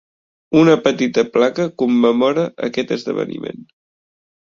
Una petita placa commemora aquest esdeveniment.